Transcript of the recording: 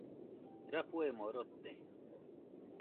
Rafuemo rote.